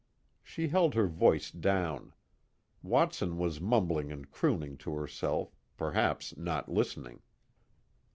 She held her voice down; Watson was mumbling and crooning to herself, perhaps not listening.